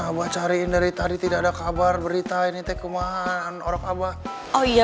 abah cariin dari tadi tidak ada kabar berita ini teh kemahan orang abah oh iya